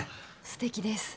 すてきです。